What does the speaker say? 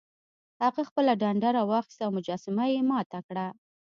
هغه خپله ډنډه راواخیسته او مجسمه یې ماته کړه.